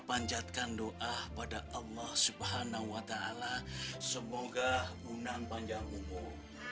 panjatkan doa pada allah subhanahu wa ta'ala semoga unang panjang umur